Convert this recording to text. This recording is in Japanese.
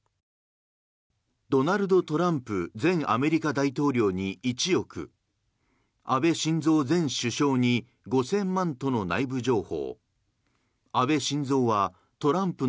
ドナルド・トランプ前アメリカ大統領に１億安倍晋三前首相に５０００万との内部情報。